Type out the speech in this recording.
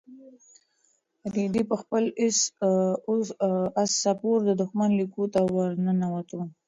رېدي په خپل اس سپور د دښمن لیکو ته ورننوت.